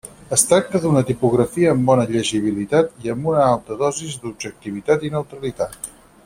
Es tracta d'una tipografia amb bona llegibilitat i amb una alta dosis d'objectivitat i neutralitat.